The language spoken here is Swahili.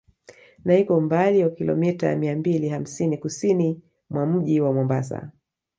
Na iko umbali wa Kilometa mia mbili hamsini Kusini mwa Mji wa Mombasa